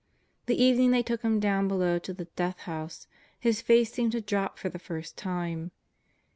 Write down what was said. The evening they took him down below to the "Death House" his face seemed to drop for the first time.